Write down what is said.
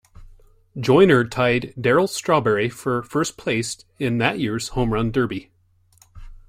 Joyner tied Darryl Strawberry for first place in that year's Home Run Derby.